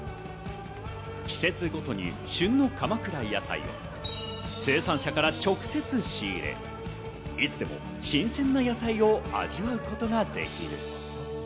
季節ごとに旬の鎌倉野菜を生産者から直接仕入れ、いつでも新鮮な野菜を味わうことができる。